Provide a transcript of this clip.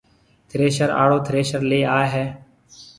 ٿريشر آݪو ٿريشر ليَ آئي هيَ۔